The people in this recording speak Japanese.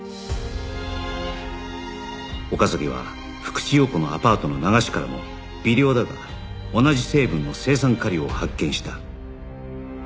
岡崎は福地陽子のアパートの流しからも微量だが同じ成分の青酸カリを発見した